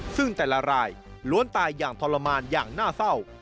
ซึ่งแต่ละรายล้วนตายอย่างทรมานอย่างน่าเศร้า